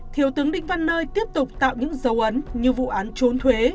thiếu tướng đinh văn nơi tiếp tục tạo những dấu ấn như vụ án trốn thuế